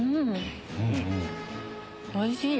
おいしい！